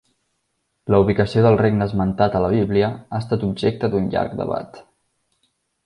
La ubicació del regne esmentat a la bíblia ha estat objecte d'un llarg debat.